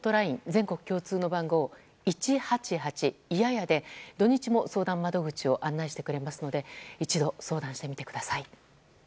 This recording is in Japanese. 全国共通の番号「１８８」、「いやや！」で土日も相談窓口を案内してくれますので一度、相談してみてください。